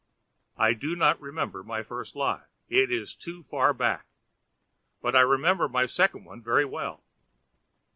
I do not remember my first lie, it is too far back; but I remember my second one very well.